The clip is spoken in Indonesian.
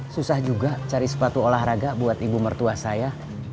susah juga cari sepatu olahraga buat ibu mertua saya